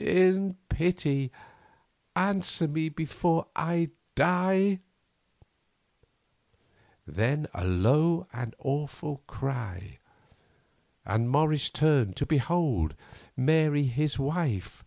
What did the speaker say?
In pity answer me before I die." Then a low and awful cry, and Morris turned to behold Mary his wife.